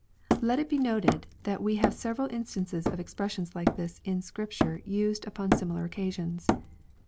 ] Let it be noted that we have several instimces of expressions like this in Scripture used upon similar occasions.